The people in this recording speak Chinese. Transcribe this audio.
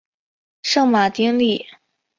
圣马丁利。